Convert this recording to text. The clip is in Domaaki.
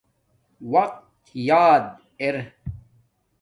وقت یاد ار